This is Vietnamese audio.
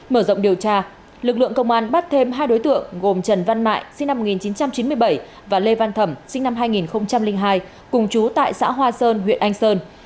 mở rộng điều tra lực lượng công an bắt thêm hai đối tượng gồm trần văn mại sinh năm một nghìn chín trăm chín mươi bảy và lê văn thẩm sinh năm hai nghìn hai cùng chú tại xã hoa sơn huyện anh sơn